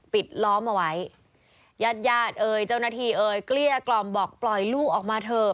ปิดล้อมเอาไว้ญาติญาติเอ่ยเจ้าหน้าที่เอ่ยเกลี้ยกล่อมบอกปล่อยลูกออกมาเถอะ